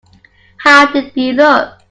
How did he look?